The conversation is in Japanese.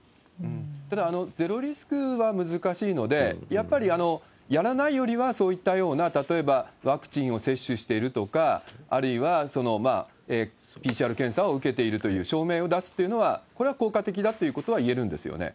ただ、ゼロリスクは難しいので、やっぱりやらないよりは、そういったような、例えばワクチンを接種してるとか、あるいはＰＣＲ検査を受けているという証明を出すというのは、これは効果的だということは言えるんですよね？